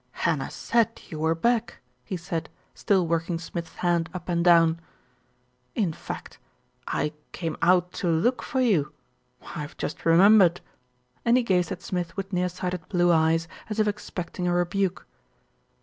"Hannah said you were back," he said, still working Smith's hand up and down. "In fact, I came out to look for you, I've just remembered," and he gazed at Smith with near sighted blue eyes as if expecting a rebuke.